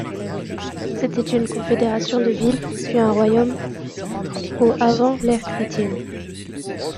C'était une confédération de villes puis un royaume au avant l'ère chrétienne.